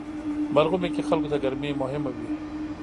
مرغومی کې خلکو ته ګرمي مهمه وي.